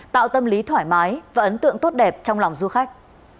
tạo tâm lý thoải mái và ấn tượng tốt đẹp trong lòng du khách